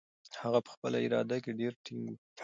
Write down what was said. هغه په خپله اراده کې ډېر ټینګ و.